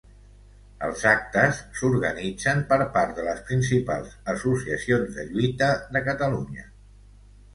Els actes s'organitzen per part de les principals associacions de lluita de Catalunya.